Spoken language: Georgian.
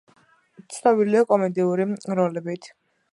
ცნობილია კომედიური როლებით.